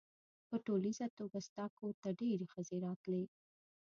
په ټولیزه توګه ستا کور ته ډېرې ښځې راتلې.